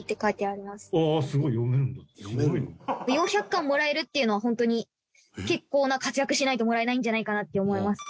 ４００貫もらえるっていうのは本当に結構な活躍しないともらえないんじゃないかなって思います。